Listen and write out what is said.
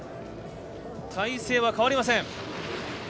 体勢は変わりません。